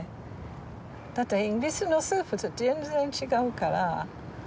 だってイギリスのスープと全然違うから。